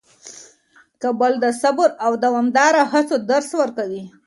کابل د صبر او دوامداره هڅو درس ورکوي.